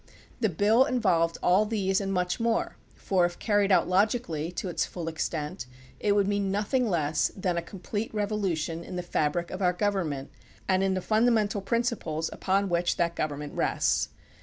The bill involved all these and much more, for if carried out logically to its full ex tent, it would mean nothing less than a complete revolution in the fabric of our government and in the fundamental principles upon which that government rests.